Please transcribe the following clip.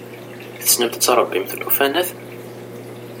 Tessnemt ad tṛebbimt llufanat?